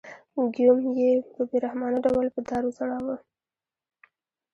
ګیوم یې په بې رحمانه ډول په دار وځړاوه.